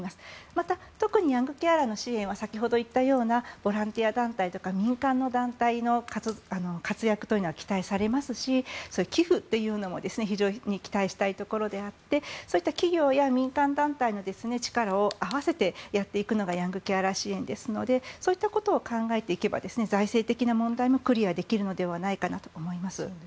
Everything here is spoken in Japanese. また特にヤングケアラーの支援は先ほど言ったようなボランティア団体とか民間の団体の活躍というのは期待されますし、寄付というのも非常に期待したいところであってそういった企業や民間団体の力を合わせてやっていくのがヤングケアラー支援ですのでそういったことを考えていけば財政的な問題もクリアできるのではないかなと思います。